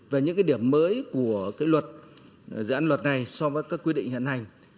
về những điểm mới của dự án luật này so với các quy định hiện hành